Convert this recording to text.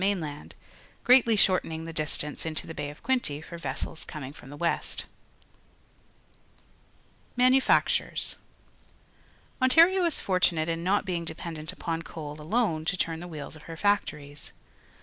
mainland, greatly shortening the distance into the Bay of Quinte for vessels coming from the west. 86 PUBLIC SCHOOL GEOGRAPHY Manufactures. — Ontario is fortunate in not being dependent upon coal alone to turn the wheels of her factories.